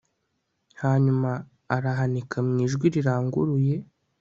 hanyuma arahanika mu ijwi riranguruye